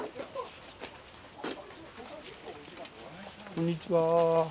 こんにちは。